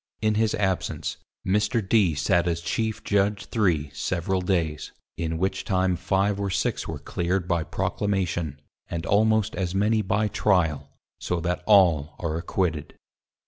In his absence _Mr. D _ sate as Chief Judge 3 several days, in which time 5 or 6 were clear'd by Proclamation, and almost as many by Trial; so that all are acquitted.